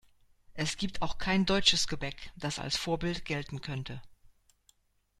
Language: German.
Es gibt auch kein deutsches Gebäck, das als Vorbild gelten könnte.